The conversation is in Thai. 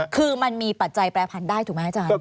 คือมันมีปัจจัยแปรพันธุ์ได้ถูกไหมอาจารย์